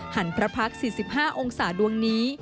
หันพระพักษ์๔๕องศาดวงนี้